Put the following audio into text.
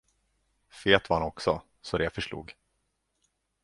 Fet var han också, så det förslog.